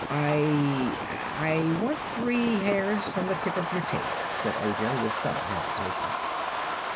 "I I want three hairs from the tip of your tail," said Ojo, with some hesitation.